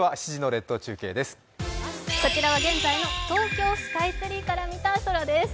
こちらは現在の東京スカイツリーから見た東京の空です。